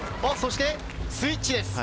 スイッチです。